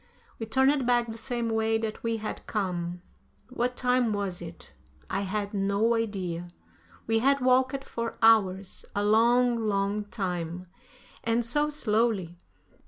We turned back the same way that we had come. What time was it? I had no idea. We had walked for hours, a long, long time, and so slowly.